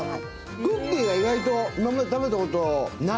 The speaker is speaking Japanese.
クッキーが以外と今まで食べたことがない